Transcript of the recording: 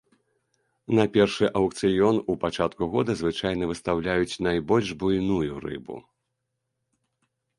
На першы аўкцыён у пачатку года звычайна выстаўляюць найбольш буйную рыбу.